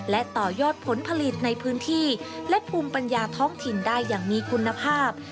และต่อยอดผลผลิตในพื้นที่และภูมิปัญญาท้องถิ่นได้อย่างมีคุณภาพ